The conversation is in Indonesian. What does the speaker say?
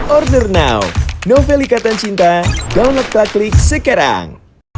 order now novel ikatan cinta download praklik sekarang